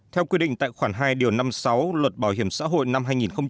theo quy định tại khoản hai điều năm mươi sáu luật bảo hiểm xã hội năm hai nghìn một mươi bốn